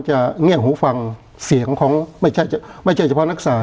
เงียบหูฟังเสียงของไม่ใช่ไม่ใช่เฉพาะนักศาส